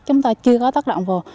chúng ta chưa có tác động vô